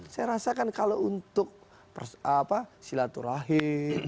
saya rasakan kalau untuk silaturahim